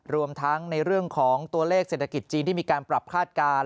รวมทั้งในเรื่องของตัวเลขเศรษฐกิจจีนที่มีการปรับคาดการณ์